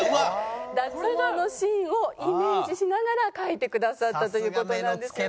脱毛のシーンをイメージしながら描いてくださったという事なんですね。